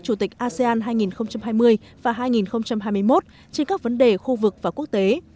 chủ tịch asean hai nghìn hai mươi và hai nghìn hai mươi một trên các vấn đề khu vực và quốc tế